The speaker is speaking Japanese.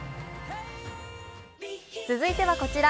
続いてはこちら。